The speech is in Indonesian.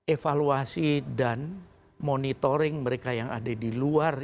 evaluasi dan monitoring mereka yang ada di luar